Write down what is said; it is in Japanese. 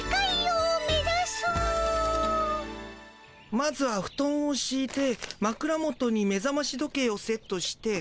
まずはふとんをしいてまくら元に目ざまし時計をセットして。